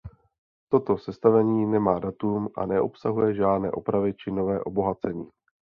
Toto sestavení nemá datum a neobsahuje žádné opravy či nové obohacení.